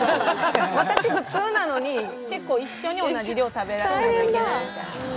私、普通なのに、結構一緒に同じ量食べないとダメみたいな。